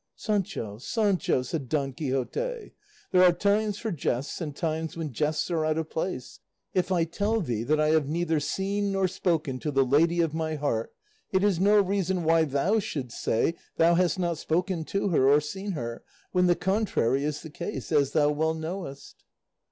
"Sancho, Sancho," said Don Quixote, "there are times for jests and times when jests are out of place; if I tell thee that I have neither seen nor spoken to the lady of my heart, it is no reason why thou shouldst say thou hast not spoken to her or seen her, when the contrary is the case, as thou well knowest."